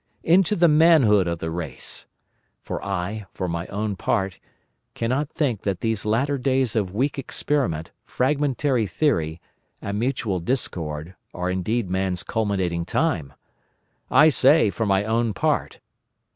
Into the manhood of the race: for I, for my own part, cannot think that these latter days of weak experiment, fragmentary theory, and mutual discord are indeed man's culminating time! I say, for my own part.